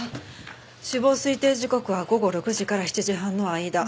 死亡推定時刻は午後６時から７時半の間。